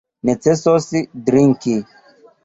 Necesos drinki.